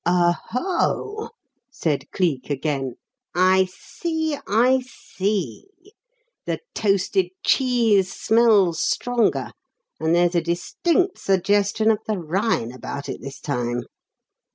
"Oho!" said Cleek again. "I see! I see! The toasted cheese smells stronger, and there's a distinct suggestion of the Rhine about it this time.